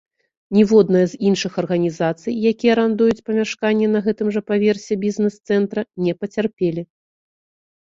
Ніводная з іншых арганізацый, якія арандуюць памяшканні на гэтым жа паверсе бізнэс-цэнтра, не пацярпелі.